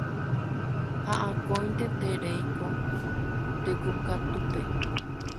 Ha akóinte tereiko tekokatúpe